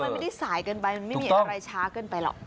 มันไม่ได้สายเกินไปมันไม่มีอะไรช้าเกินไปหรอก